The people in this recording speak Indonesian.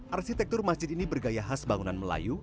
arsitektur masjid ini bergaya khas bangunan melayu